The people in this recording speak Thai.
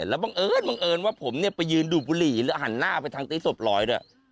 แล้วบังเอิญบังเอิญว่าผมเนี่ยไปยืนดูบบุหรี่แล้วหันหน้าไปทางที่ศพร้อยด้วย